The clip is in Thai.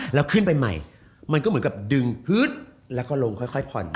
แล้วขึ้นไปใหม่มันก็เหมือนกับดึงพื้นแล้วก็ลงค่อยผ่อน